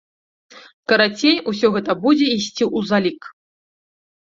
Карацей, усё гэта будзе ісці ў залік.